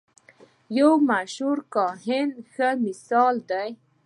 یو مشهور کاهن یې ښه مثال دی.